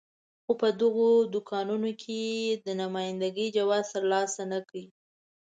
خو په دغو دوکانونو کې یې د نماینده ګۍ جواز ترلاسه نه کړ.